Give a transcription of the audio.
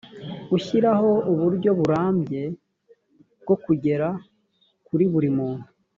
gushyiraho uburyo burambye bwo kugera kuri buri muntu